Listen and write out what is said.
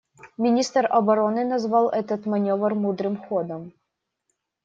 Министр обороны назвал этот маневр мудрым ходом.